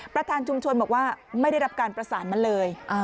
ประธานชุมชนบอกว่าไม่ได้รับการประสานมาเลย